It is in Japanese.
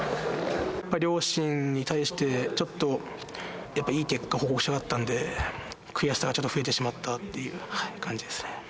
両親に対して、ちょっとやっぱいい結果報告したかったんで、悔しさがちょっと増えてしまったっていう感じですね。